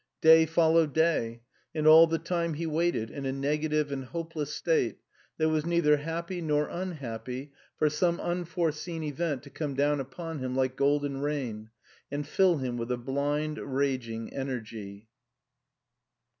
Day followed day, and all the time he waited in a negative and hopeless state that was neither happy nor unhappy for some unforeseen event to come down upon him like golden rain, and fill him with a blind, raging energy.